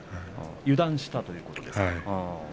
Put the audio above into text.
油断したということなんですか。